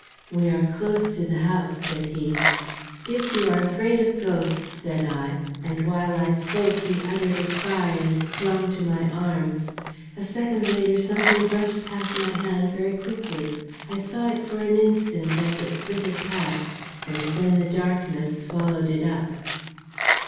"We are close to the house," said he. "Dick, you are afraid of ghosts," said I; and while I spoke he uttered a cry and clung to my arm. A second later something brushed past my hand very quickly. I just saw it for an instant as it flitted past, and then the darkness swallowed it up.